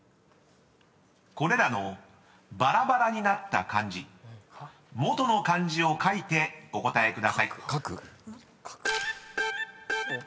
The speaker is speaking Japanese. ［これらのばらばらになった漢字元の漢字を書いてお答えください］